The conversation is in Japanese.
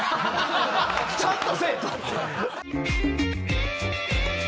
「ちゃんとせえ」と。